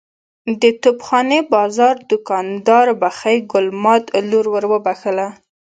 د توپ خانې بازار دوکاندار بخۍ ګل ماد لور ور وبخښله.